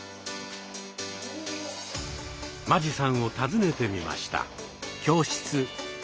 間地さんを訪ねてみました。